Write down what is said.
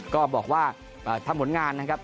ก็บอกว่าทำผลงานนะครับ